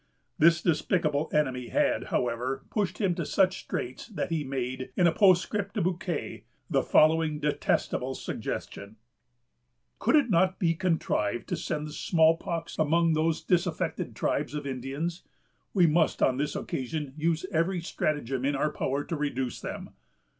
This despicable enemy had, however, pushed him to such straits that he made, in a postscript to Bouquet, the following detestable suggestion:—— "Could it not be contrived to send the Small Pox among those disaffected tribes of Indians? We must on this occasion use every stratagem in our power to reduce them."